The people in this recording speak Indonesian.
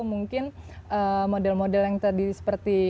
mungkin model model yang tadi seperti